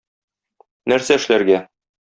Нәрсә эшләргә?